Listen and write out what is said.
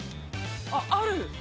あっ、ある。